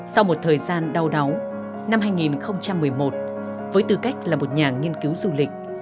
sau một thời gian đau đáu năm hai nghìn một mươi một với tư cách là một nhà nghiên cứu du lịch